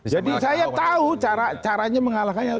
jadi saya tau cara caranya mengalahkannya